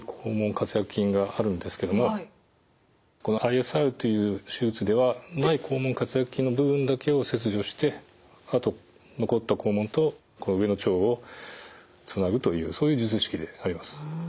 括約筋があるんですけどもこのＩＳＲという手術では内肛門括約筋の部分だけを切除してあと残った肛門とこの上の腸をつなぐというそういう術式であります。